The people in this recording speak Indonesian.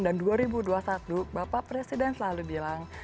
dan dua ribu dua puluh satu bapak presiden selalu bilang